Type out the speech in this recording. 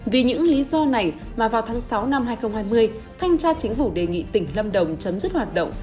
vì những lý do này mà vào tháng sáu năm hai nghìn hai mươi thanh tra chính phủ đề nghị tỉnh lâm đồng chấm dứt hoạt động